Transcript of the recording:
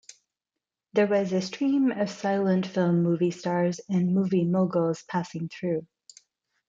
There was a 'stream' of silent film movie stars and movie moguls passing through.